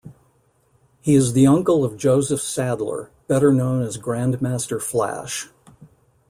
He is the Uncle of Joseph Saddler, better known as Grandmaster Flash.